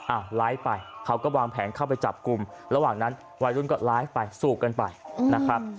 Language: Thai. ไลฟ์ไปเขาก็วางแผนเข้าไปจับกลุ่มระหว่างนั้นวัยรุ่นก็ไลฟ์ไปสูบกันไปนะครับ